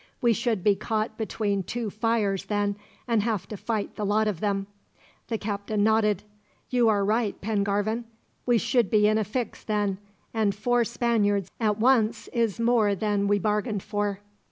We should be caught between two fires then, and have to fight the lot of them." The captain nodded. "You are right, Pengarvan. We should be in a fix, then; and four Spaniards at once is more than we bargained for."